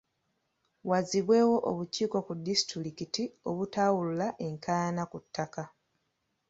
Wazzibwewo obukiiko ku disitulikiti obutawulula enkaayana ku ttaka.